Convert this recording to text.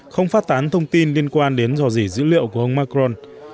không phát tán thông tin liên quan đến do gì dữ liệu của ông macron